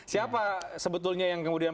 siapa sebetulnya yang kemudian